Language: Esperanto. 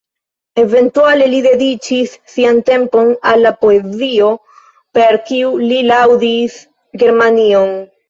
Eventuale li dediĉis sian tempon al la poezio, per kiu li laŭdis Germanion.